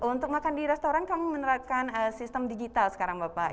untuk makan di restoran kami menerapkan sistem digital sekarang bapak